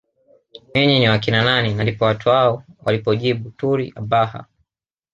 Ninyi ni wakina nani na ndipo watu hao walipojibu turi Abhaha